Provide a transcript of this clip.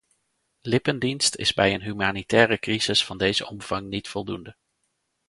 Lippendienst is bij een humanitaire crisis van deze omvang niet voldoende.